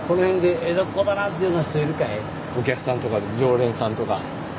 お客さんとか常連さんとか。